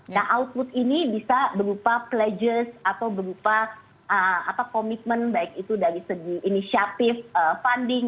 nah output ini bisa berupa pleges atau berupa komitmen baik itu dari segi inisiatif funding